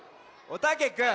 おたけくん。